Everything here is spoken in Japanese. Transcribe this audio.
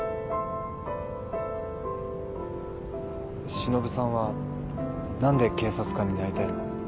しのぶさんは何で警察官になりたいの？